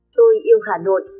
tôi yêu hà nội